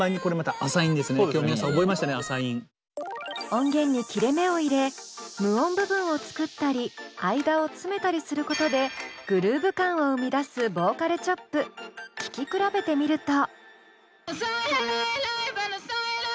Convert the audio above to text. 音源に切れ目を入れ無音部分を作ったり間を詰めたりすることでグルーヴ感を生み出す聴き比べてみると。